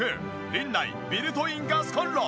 リンナイビルトインガスコンロ。